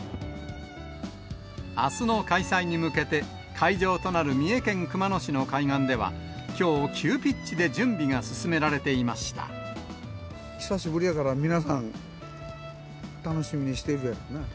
あすの開催に向けて、会場となる三重県熊野市の海岸では、きょう、急ピッチで準備が進久しぶりやから、皆さん、楽しみにしてるだろうな。